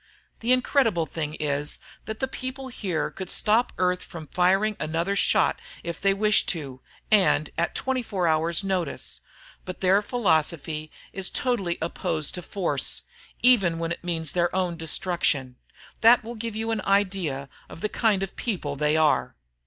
The incredible thing is that the people here could stop Earth from firing another shot if they wished to, and at 24 hours' notice, but their philosophy is totally opposed to force, even when it means their own destruction. That will give you an idea of the kind of people they are.